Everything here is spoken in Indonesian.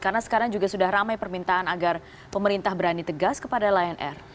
karena sekarang juga sudah ramai permintaan agar pemerintah berani tegas kepada lion air